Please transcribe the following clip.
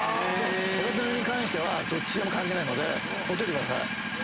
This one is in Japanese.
他の年齢に関してはどっちでも関係ないのでほっといてください。